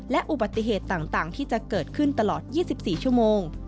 และอุบัติเหตุต่างที่จะเกิดขึ้นตลอด๒๔ชั่วโมง